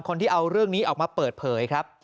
คนที่เอาเรื่องนี้ออกมาเปิดเผยครับ